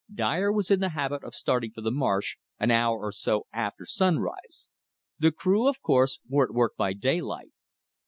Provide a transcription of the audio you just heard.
Dyer was in the habit of starting for the marsh an hour or so after sunrise. The crew, of course, were at work by daylight.